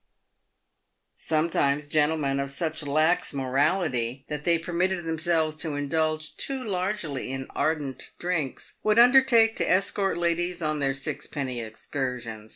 Sometimes gentlemen, of such lax morality that they had permitted themselves to indulge too largely in ardent drinks, would undertake to escort ladies on their sixpenny excursions.